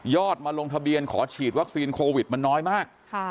มาลงทะเบียนขอฉีดวัคซีนโควิดมันน้อยมาก